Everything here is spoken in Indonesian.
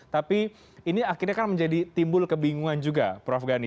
tapi ini akhirnya kan menjadi timbul kebingungan juga prof gani